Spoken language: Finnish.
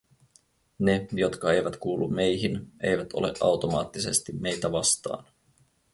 Ne, jotka eivät kuulu meihin, eivät ole automaattisesti meitä vastaan.